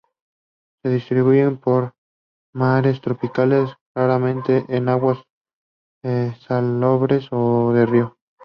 Se distribuyen por mares tropicales, raramente en aguas salobres o de río.